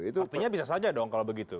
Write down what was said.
itu artinya bisa saja dong kalau begitu